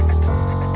aku sudah berhenti